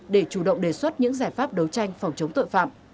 để chủ động đề xuất những giải pháp đấu tranh phòng chống tội phạm